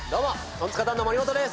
トンツカタンの森本です。